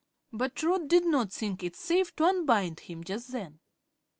But Trot did not think it safe to unbind him just then.